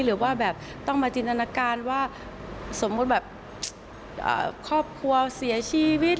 หรือว่าแบบต้องมาจินตนาการว่าสมมุติแบบครอบครัวเสียชีวิต